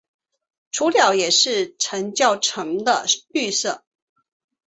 雏鸟也是呈较沉的绿色。